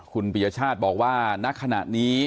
คุณปียชาติบอกว่าณขณะนี้